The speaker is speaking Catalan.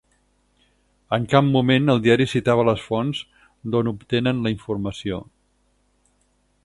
En cap moment el diari citava les fonts d’on obtenen la informació.